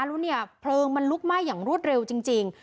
แล้วเนี่ยเพลิงมันลุกไหม้อย่างรวดเร็วจริง